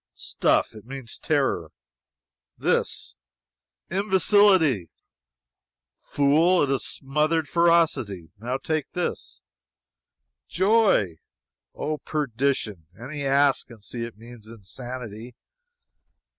"Stuff! It means terror! This!" "Imbecility!" "Fool! It is smothered ferocity! Now this!" "Joy!" "Oh, perdition! Any ass can see it means insanity!"